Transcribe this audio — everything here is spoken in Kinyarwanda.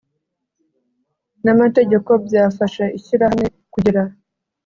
n amategeko byafasha ishyirahamwe kugera